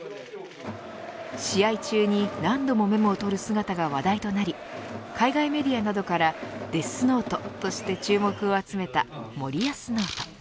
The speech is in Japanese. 試合中に何度もメモを取る姿が話題となり海外メディアなどからデスノートとして注目を集めた森保ノート。